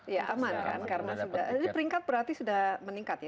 ya aman kan karena peringkat berarti sudah meningkat ya